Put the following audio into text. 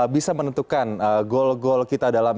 bisa menentukan goal gol kita dalam